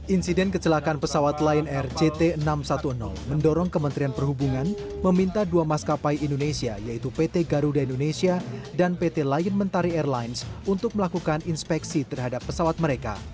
insiden kecelakaan pesawat lion air jt enam ratus sepuluh mendorong kementerian perhubungan meminta dua maskapai indonesia yaitu pt garuda indonesia dan pt lion mentari airlines untuk melakukan inspeksi terhadap pesawat mereka